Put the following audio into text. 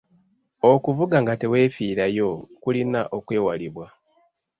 Okuvuga nga teweefiirayo kulina okwewalibwa.